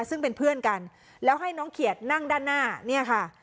ซึ่งเป็นเพื่อนกันแล้วให้น้องเขียดนั่งด้านหน้าเนี่ยค่ะ